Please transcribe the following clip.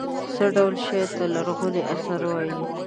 څه ډول شي ته لرغوني اثار وايي.